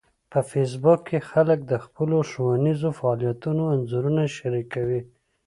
په فېسبوک کې خلک د خپلو ښوونیزو فعالیتونو انځورونه شریکوي